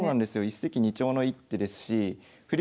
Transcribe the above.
一石二鳥の一手ですし振り